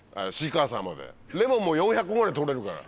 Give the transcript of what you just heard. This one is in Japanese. レモンも４００個ぐらい採れるから。